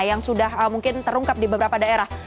yang sudah mungkin terungkap di beberapa daerah